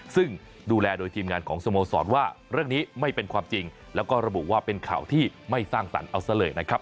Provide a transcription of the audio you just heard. ซึ่งดูแลโดยทีมงานของสโมสรว่าเรื่องนี้ไม่เป็นความจริงแล้วก็ระบุว่าเป็นข่าวที่ไม่สร้างสรรค์เอาซะเลยนะครับ